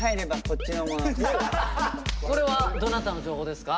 これはどなたの情報ですか？